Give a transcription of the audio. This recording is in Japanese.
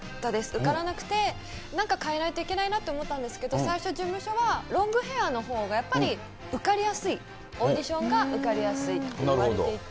受からなくて、なんか変えないといけないなって思ったんですけど、最初、事務所は、ロングヘアのほうがやっぱり受かりやすい、オーディションが受かりやすいって言われていて。